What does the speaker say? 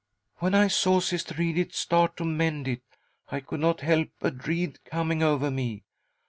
When I saw Sister Edith start to mend it, I could not help a dread coming over me.